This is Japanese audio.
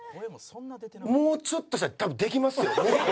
もうちょっとしたら多分できますよもっと。